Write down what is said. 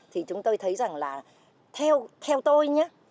thì chúng tôi thấy rằng là theo tôi nhé